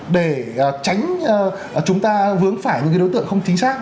để tránh chúng ta vướng phải những đối tượng không chính xác